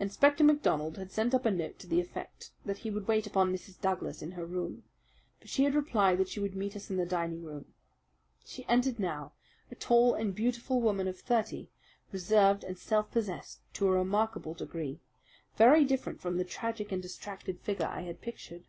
Inspector MacDonald had sent up a note to the effect that he would wait upon Mrs. Douglas in her room; but she had replied that she would meet us in the dining room. She entered now, a tall and beautiful woman of thirty, reserved and self possessed to a remarkable degree, very different from the tragic and distracted figure I had pictured.